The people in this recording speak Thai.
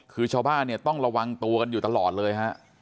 คือชาวบ้านเนี่ยต้องระวังตัวกันอยู่ตลอดเลยฮะ